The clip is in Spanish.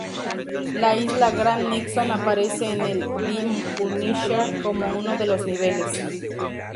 La isla Grand Nixon apareció en The Punisher como uno de los niveles.